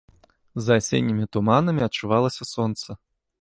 За асеннімі туманамі адчувалася сонца.